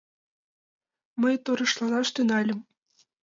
Мый торешланаш тӱҥальым.